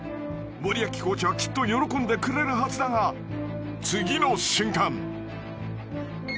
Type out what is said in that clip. ［森脇コーチはきっと喜んでくれるはずだが次の瞬間］